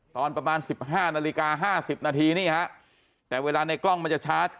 ตอนประมาณสิบห้านาฬิกาห้าสิบนาทีนี่ฮะแต่เวลาในกล้องมันจะช้า